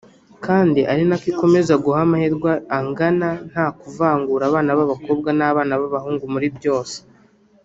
kandi ari nako ikomeza guha amahirwe angana nta kuvangura abana b’abakobwa n’abana b’abahungu muri byose